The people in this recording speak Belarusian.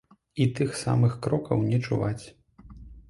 І тых самых крокаў не чуваць.